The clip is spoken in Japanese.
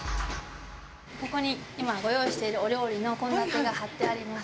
ここに今ご用意しているお料理の献立が貼ってあります。